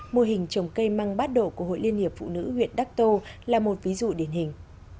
mô hình trồng cây măng bát độ của hội liên hiệp phụ nữ huyện đắc tô là một ví dụ điển hình